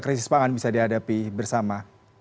krisis pangan bisa dihadapi bersama